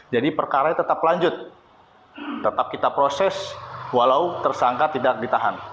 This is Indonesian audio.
jadi perkara tetap lanjut tetap kita proses walau tersangka tidak ditahan